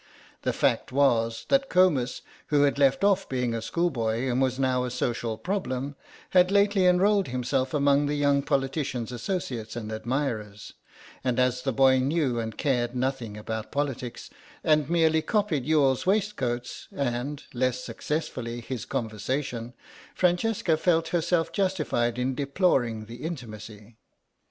The fact was that Comus, who had left off being a schoolboy and was now a social problem, had lately enrolled himself among the young politician's associates and admirers, and as the boy knew and cared nothing about politics, and merely copied Youghal's waistcoats, and, less successfully, his conversation, Francesca felt herself justified in deploring the intimacy.